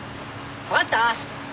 分かった？